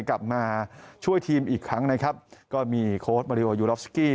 กลับมาช่วยทีมอีกครั้งนะครับก็มีโค้ดมาริโอยูรอสกี้